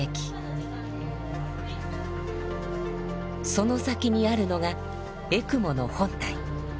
その先にあるのがエクモの本体。